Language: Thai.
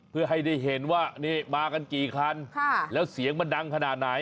เพื่อให้ได้เห็นว่านี่มากันกี่คันแล้วเสียงมันดังขนาดไหน